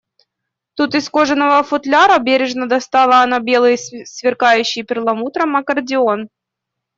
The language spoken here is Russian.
Тут из кожаного футляра бережно достала она белый, сверкающий перламутром аккордеон